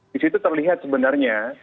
di situ terlihat sebenarnya